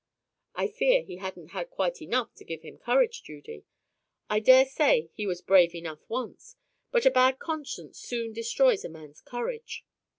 "I fear he hadn't had quite enough to give him courage, Judy. I daresay he was brave enough once, but a bad conscience soon destroys a man's courage."